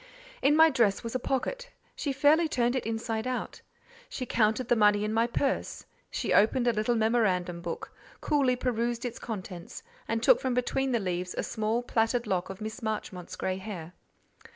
In my dress was a pocket; she fairly turned it inside out: she counted the money in my purse; she opened a little memorandum book, coolly perused its contents, and took from between the leaves a small plaited lock of Miss Marchmont's grey hair.